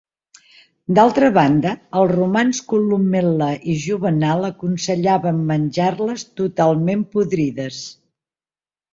D'altra banda, els romans Columel·la i Juvenal aconsellaven menjar-les totalment podrides.